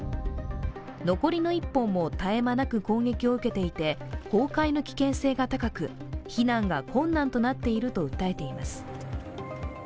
残りの１本も絶え間なく砲撃を受けていて崩壊の危険性が高く、避難が困難となっていると訴えています。